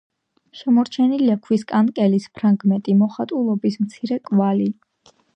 შემორჩენილია ქვის კანკელის ფრაგმენტი, მოხატულობის მცირე კვალი.